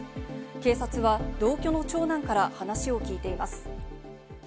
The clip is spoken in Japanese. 警察は同居の長男から話を聞いています。